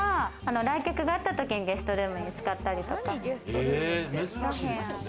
来客があったときにゲストルームに使ったりとか。